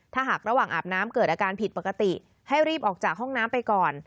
ถ้าหากระหว่างอาบน้ำเกิดอาการผิดปกติให้รีบออกจากห้องน้ำไปก่อน